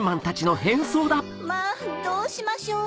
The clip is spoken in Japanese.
まぁどうしましょう。